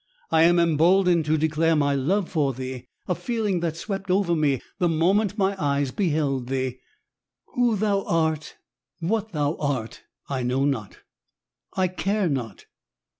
I am emboldened to declare my love for thee, a feeling that swept over me the moment my eyes beheld thee. Who thou art, what thou art, I know not, I care not.